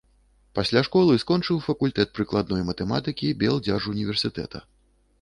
Пасля школы скончыў факультэт прыкладной матэматыкі Белдзяржуніверсітэта.